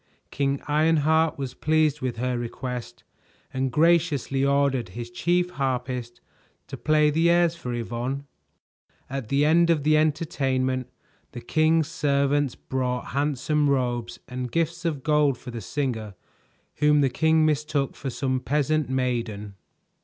King Ironheart was pleased with her request and graciously ordered his chief harpist to play the airs for Yvonne. At the end of the entertainment, the king's servants brought handsome robes and gifts of gold for the singer whom the king mistook for some peasant maiden.